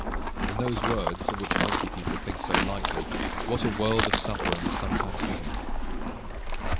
In those words, of which healthy people think so lightly, what a world of suffering is sometimes hidden!